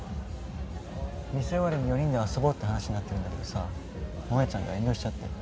店終わりに４人で遊ぼうって話になってるんだけどさ萌ちゃんが遠慮しちゃって。